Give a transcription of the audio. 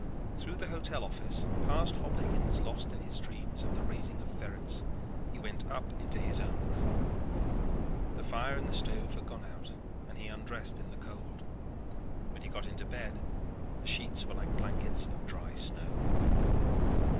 Through the hotel office, past Hop Higgins lost in his dream of the raising of ferrets, he went and up into his own room. The fire in the stove had gone out and he undressed in the cold. When he got into bed the sheets were like blankets of dry snow.